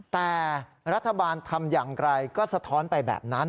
แต่รัฐบาลทำอย่างไรก็สะท้อนไปแบบนั้น